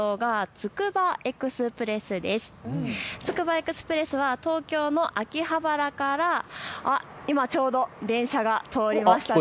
つくばエクスプレスは東京の秋葉原から、今、ちょうど電車が通りましたね。